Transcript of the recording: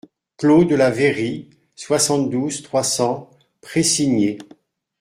Clos de la Vairie, soixante-douze, trois cents Précigné